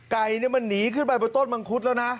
ไก่มันหนีขึ้นไปบนต้นมังคุดแล้วนะ